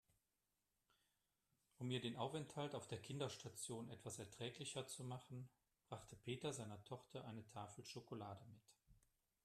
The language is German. Um ihr den Aufenthalt auf der Kinderstation etwas erträglicher zu machen, brachte Peter seiner Tochter eine Tafel Schokolade mit.